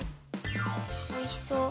おいしそう。